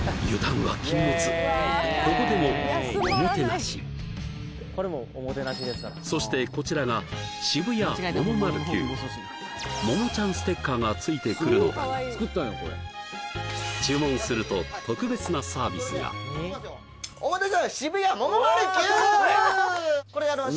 ここでもそしてこちらがモモちゃんステッカーが付いてくるのだ注文すると特別なサービスがお待たせしました！